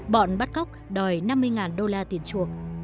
bọn bắt cóc đòi năm mươi đô la tiền chuộc